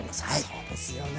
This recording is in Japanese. そうですよね